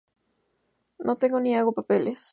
No tengo ni hago papeles.